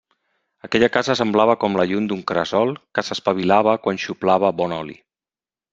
Aquella casa semblava com la llum d'un cresol que s'espavilava quan xuplava bon oli.